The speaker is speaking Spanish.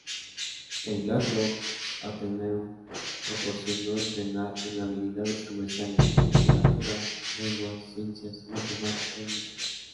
El Glasgow Athenaeum proporcionó entrenar en habilidades comerciales, literatura, lenguas, ciencias, matemática y música.